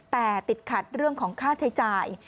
แต่ติดขัดเรื่องของค่าใช้จ่าย